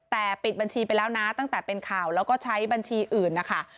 แต่ปิดบัญชีไปแล้วนะตั้งแต่เป็นข่าวแล้วก็ใช้บัญชีอื่นนะคะ